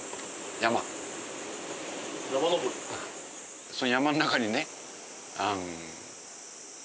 山ん中にね。